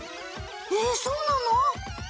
えっそうなの？